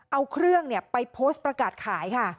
เอาเครื่องไปโพสต์ประกาศขายค่ะ